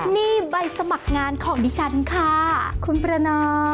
นี่ใบสมัครงานของดิฉันค่ะคุณประนอม